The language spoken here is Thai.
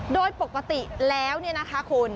โดยปกติแล้วนะคะคุณ